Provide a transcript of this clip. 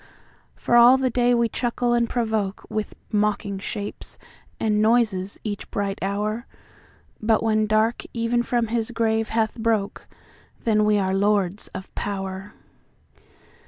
For all the day we chuckle and provokeWith mocking shapes and noises each bright hour, But when dark even from his grave hath brokeThen are we lords of power.